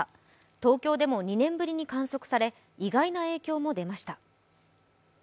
東京でも２年ぶりに観測され意外な影響も出ました。